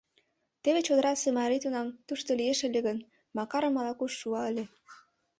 Теве чодырасе марий тунам тушто лиеш ыле гын, Макарым ала-куш шуа ыле.